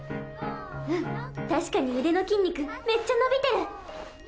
うん確かに腕の筋肉めっちゃ伸びてる